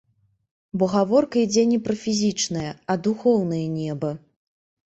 Бо гаворка ідзе не пра фізічнае, а духоўнае неба.